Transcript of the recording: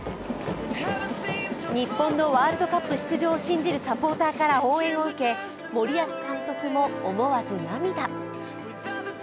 日本のワールドカップ出場を信じるサポーターから応援を受け、森保監督も思わず涙。